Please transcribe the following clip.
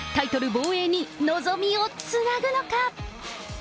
防衛に望みをつなぐのか。